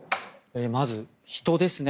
まず、人ですね。